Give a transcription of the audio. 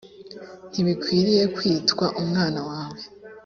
ntibinkwiriye kwitwa umwana wawe